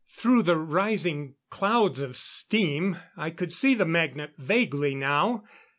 Through the rising clouds of steam I could see the magnet vaguely now.